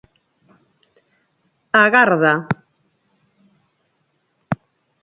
Agarda.